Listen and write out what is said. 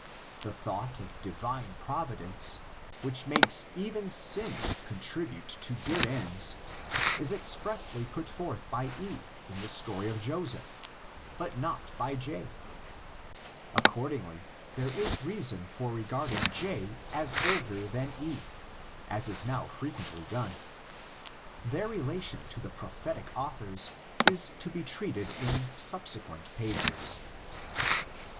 The thought of divine Providence, THE LA TER COLLECTIONS. 135 which makes even sin contribute to good ends is expressly put forth by E in the story of Joseph, but not by J. Accordingly there is reason for regarding J as older than E, as is now frequently done. Their relation to the Prophetic authors is to be treated in subsequent pages.